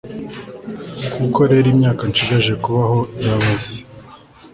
koko rero imyaka nshigaje kubaho irabaze